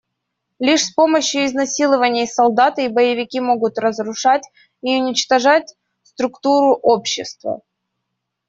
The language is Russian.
Лишь с помощью изнасилований солдаты и боевики могут разрушать и уничтожать структуру общества.